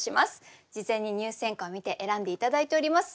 事前に入選歌を見て選んで頂いております。